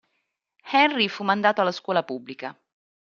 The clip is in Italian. Henry fu mandato alla scuola pubblica.